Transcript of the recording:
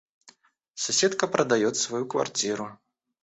Соседка продаёт свою квартиру.